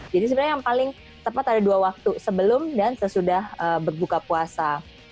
jadi sebenarnya yang paling tepat ada dua waktu sebelum dan sesudah berbuka puasa